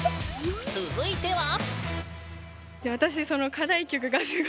続いては？